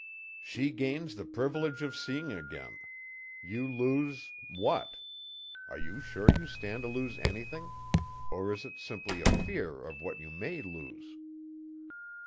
"She gains the privilege of seeing again. You lose what? Are you sure you stand to lose anything or is it simply a fear of what you may lose?"